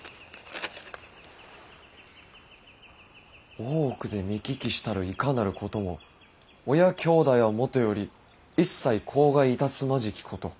大奥で見聞きしたるいかなることも親兄弟はもとより一切口外いたすまじきこと。